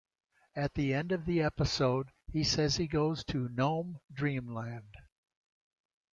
At the end of the episode he says he goes to "Gnome dream land".